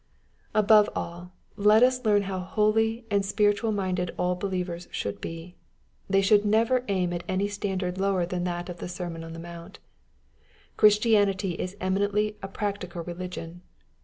Above all let us learn how holy and spiritual minded all believers should be. They should never aim at any standard lower than that of the sermon on the mount. Christianity is eminently a practical religion.